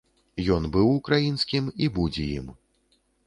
Ён быў украінскім і будзе ім.